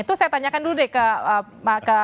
itu saya tanyakan dulu deh ke